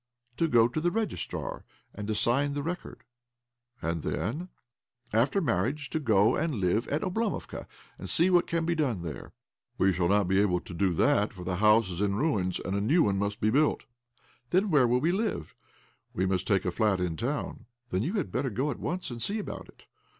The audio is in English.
"To go to the registrar, and to sign the record." "And then?" " After marriage to go and live at Oblo movka, and to see what can be done there." 202 OBLOMOV ' We shall not be able to do that, for the house is in ruins, arid a new one must first be built," ' Then where are we to live?" ''We must take a flat in town." ' Then you had better go at once and see about it."